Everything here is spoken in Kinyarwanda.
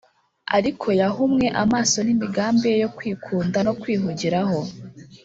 ariko yahumwe amaso n’imigambi ye yo kwikunda no kwihugiraho